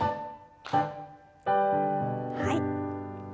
はい。